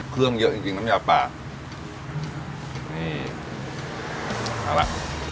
เครื่องเยอะจริงจริงน้ำยาปลานี่เอาล่ะ